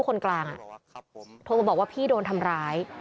ส่วนของชีวาหาย